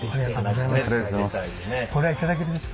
ありがとうございます。